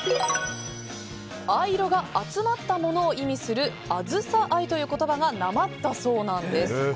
藍色が集まったものを意味する集真藍という言葉がなまったそうなんです。